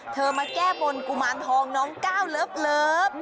เธอมาแก้บนกุมารทองน้องก้าวเลิฟเลิฟ